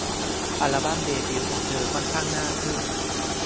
อัลบั้มเดบิวต์ของเธอค่อนข้างน่าทึ่ง